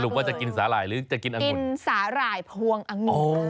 สรุปว่าจะกินสาหร่ายหรือจะกินองุ่น